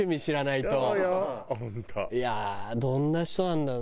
いやあどんな人なんだろうな？